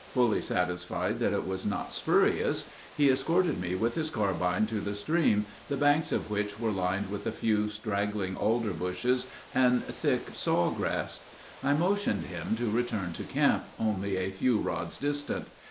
Fully satisfied that it was not spurious, he escorted me with his carbine to the stream, the banks of which were lined with a few straggling alder bushes and thick saw grass. I motioned him to return to camp, only a few rods distant.